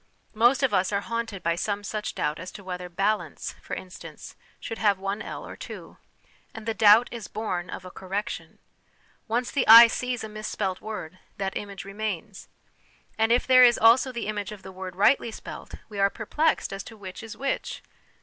Most of us are haunted by some such doubt as to whether ' balance,' for instance, should have one ' 1 ' or two ; and the doubt is born of a correction. Once the eye sees a misspelt word, that image remains ; and if there is also the image of the word rightly spelt, we are perplexed as to which is which.